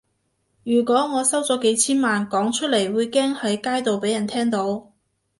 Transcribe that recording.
如果我收咗幾千萬，講出嚟會驚喺街度畀人聽到